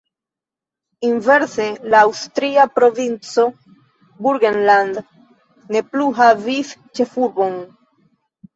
Inverse la aŭstria provinco Burgenland ne plu havis ĉefurbon.